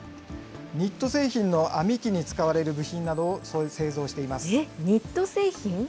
ニット製品の編み機に使われる部品などを製造しています。